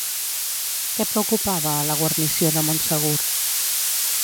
Què preocupava a la guarnició de Montsegur?